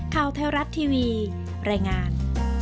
ข่าวไทยรัฐทีวีรายงาน